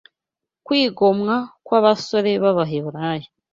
kwigomwa kw’aba basore b’Abaheburayo